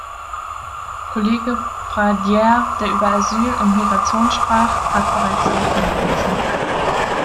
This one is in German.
Kollege Pradier, der über Asyl und Migration sprach, hat bereits darauf hingewiesen.